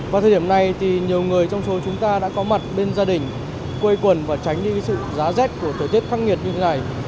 vào thời điểm này thì nhiều người trong số chúng ta đã có mặt bên gia đình quây quần và tránh đi sự giá rét của thời tiết khắc nghiệt như thế này